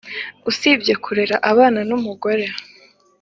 Usibye kurera abana, numugore